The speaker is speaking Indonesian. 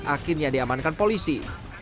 akhirnya diamankan polisi